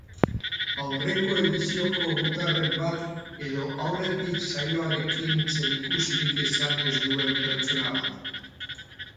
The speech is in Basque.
Aurreko edizioko gutarren bat edo aurretik saioarekin zerikusirik izan ez duen pertsona bat?